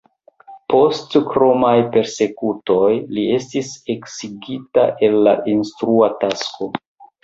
Post kromaj persekutoj, li estis eksigita el la instrua tasko.